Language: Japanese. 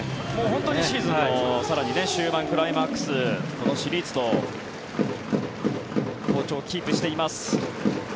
本当にシーズンの更に終盤クライマックスシリーズこのシリーズと好調をキープしています。